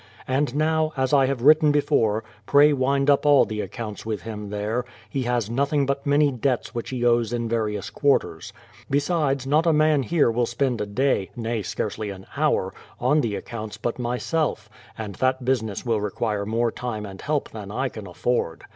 And now, as I have written before, pray wind up all the accounts with him there ; here he has nothing but many debts which he owes in various quarters. Be sides, not a man here will spend a day, nay scarcely an hour, on the accounts but myself, and that business will require more time and help than I can afford.